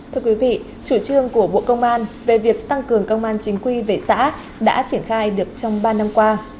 thưa quý vị chủ trương của bộ công an về việc tăng cường công an chính quy về xã đã triển khai được trong ba năm qua